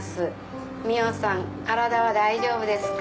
「美穂さん体は大丈夫ですか？